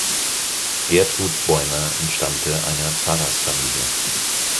Gertrud Bäumer entstammte einer Pfarrersfamilie.